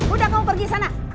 udah kamu pergi sana